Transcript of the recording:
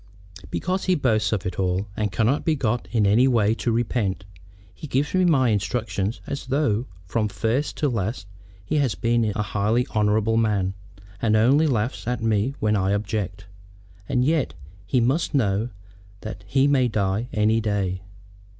"Because he boasts of it all, and cannot be got in any way to repent. He gives me my instructions as though from first to last he had been a highly honorable man, and only laughs at me when I object. And yet he must know that he may die any day.